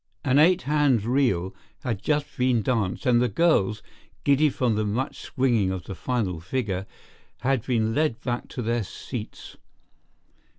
An eight hand reel had just been danced and the girls, giddy from the much swinging of the final figure, had been led back to their seats.